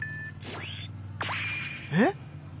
えっ！？